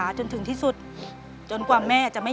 เปลี่ยนเพลงเก่งของคุณและข้ามผิดได้๑คำ